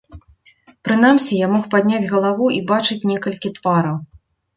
Прынамсі, я мог падняць галаву і бачыць некалькі твараў.